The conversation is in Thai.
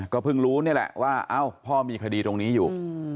ก็เพิ่งรู้นี่แหละว่าพ่อมีคดีตรงนี้อยู่